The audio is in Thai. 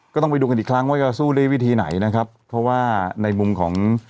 ก็ต้องไปดูกันอีกครั้งว่าจะสู้ด้วยวิธีไหนนะครับเพราะว่าในมุมของ